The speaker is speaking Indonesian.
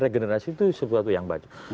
regenerasi itu sesuatu yang baik